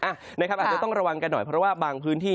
อาจจะต้องระวังกันหน่อยเพราะว่าบางพื้นที่